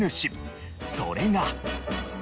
それが。